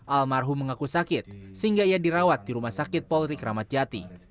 almarhum mengaku sakit sehingga ia dirawat di rumah sakit polri kramat jati